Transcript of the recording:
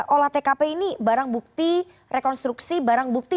olah tkp ini barang bukti rekonstruksi barang bukti